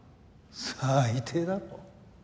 最低だろ。